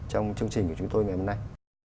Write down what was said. trong chương trình của chúng tôi ngày hôm nay